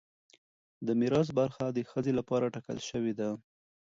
د میراث برخه د ښځې لپاره ټاکل شوې ده.